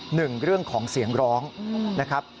หนึ่งเรื่องของเสียงร้องนะครับ